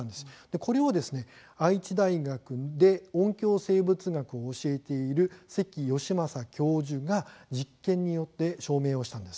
これを愛知大学で音響生物学を教えている関義正教授が実験によって証明したんです。